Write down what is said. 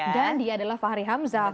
dan dia adalah fahri hamzah